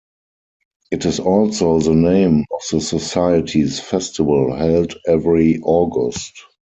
It is also the name of the society's festival, held every August.